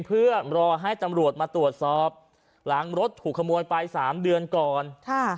เพื่อรอให้ตำรวจมาตรวจสอบหลังรถถูกขโมยไปสามเดือนก่อนค่ะ